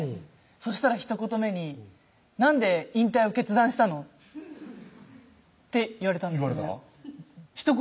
そしたらひと言目に「なんで引退を決断したの？」って言われたんですひと言